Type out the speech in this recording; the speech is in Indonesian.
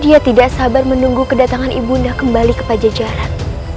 dia tidak sabar menunggu kedatangan ibu nda kembali ke pajajaran